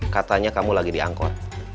katanya kamu lagi diangkut